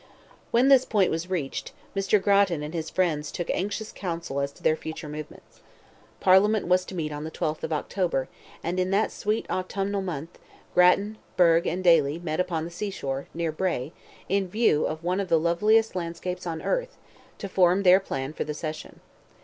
When this point was reached, Mr. Grattan and his friends took anxious council as to their future movements. Parliament was to meet on the 12th of October, and in that sweet autumnal month, Grattan, Burgh, and Daly, met upon the sea shore, near Bray, in view of one of the loveliest landscapes on earth, to form their plan for the session.